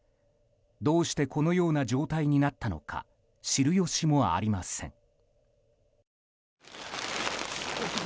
どうしてこのような状態になったのか知る由もありません。